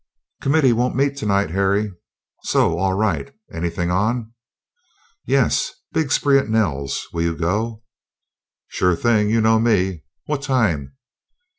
" committee won't meet tonight, Harry." "So? All right. Anything on?" "Yes big spree at Nell's. Will you go?" "Sure thing; you know me! What time?"